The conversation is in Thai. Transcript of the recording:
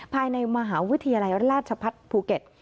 ภายในมหาวิทยาลัยราชพัฒน์ภูเก็ต